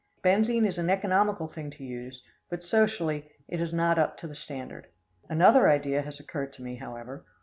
Benzine is an economical thing to use, but socially it is not up to the standard. Another idea has occurred to me, however.